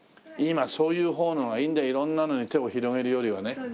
今そういう方のがいいんだ色んなのに手を広げるよりはね。